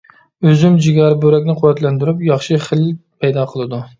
ئۈزۈم جىگەر، بۆرەكنى قۇۋۋەتلەندۈرۈپ ياخشى خىلىت پەيدا قىلىدۇ.